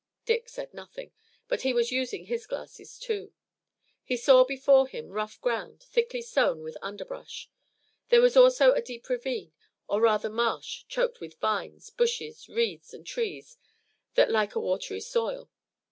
Dick said nothing, but he was using his glasses, too. He saw before him rough ground, thickly sown with underbrush. There was also a deep ravine or rather marsh choked with vines, bushes, reeds, and trees that like a watery soil.